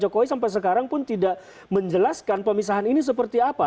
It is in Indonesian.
jokowi sampai sekarang pun tidak menjelaskan pemisahan ini seperti apa